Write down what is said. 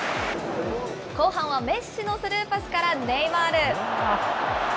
後半はメッシのスルーパスから、ネイマール。